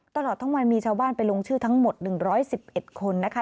ตลอดทั้งวันมีชาวบ้านไปลงชื่อทั้งหมด๑๑๑คนนะคะ